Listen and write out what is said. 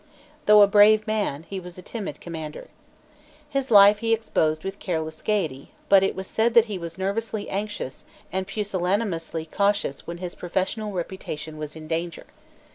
Though a brave man, he was a timid commander. His life he exposed with careless gaiety; but it was said that he was nervously anxious and pusillanimously cautious when his professional reputation was in danger.